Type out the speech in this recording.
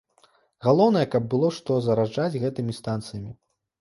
Галоўнае, каб было што зараджаць гэтымі станцыямі.